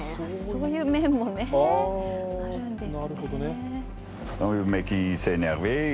そういう面もあるんですね。